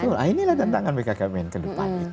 betul inilah tantangan wkkm ke depan